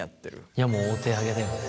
いやもうお手上げだよね。